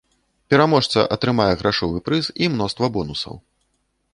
Пераможца атрымае грашовы прыз і мноства бонусаў.